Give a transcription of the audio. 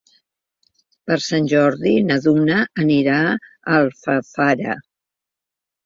Per Sant Jordi na Duna anirà a Alfafara.